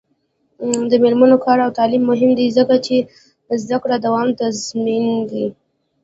د میرمنو کار او تعلیم مهم دی ځکه چې زدکړو دوام تضمین دی.